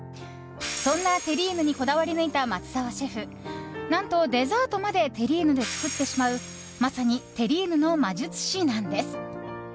そんなテリーヌにこだわり抜いた松澤シェフ何とデザートまでテリーヌで作ってしまうまさにテリーヌの魔術師なんです。